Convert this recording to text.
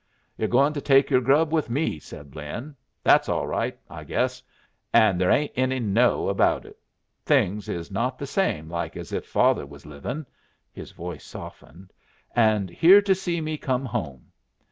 "You're goin' to take your grub with me," said Lin. "That's all right, I guess. And there ain't any 'no' about it. Things is not the same like as if father was livin' (his voice softened) and here to see me come home.